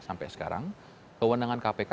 sampai sekarang kewenangan kpk